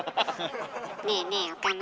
ねえねえ岡村。